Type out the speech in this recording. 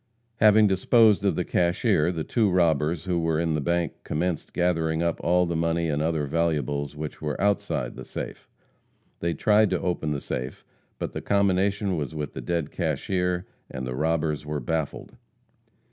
Having disposed of the cashier, the two robbers who were in the bank commenced gathering up all the money and other valuables which were outside the safe. They tried to open the safe, but the combination was with the dead cashier, and the robbers were baffled.